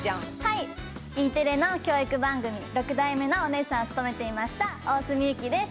Ｅテレの教育番組６代目のおねえさんを務めていました大角ゆきです